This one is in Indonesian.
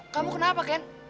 kamu kenapa ken